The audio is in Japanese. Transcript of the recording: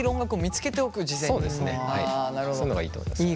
そういうのがいいと思いますね。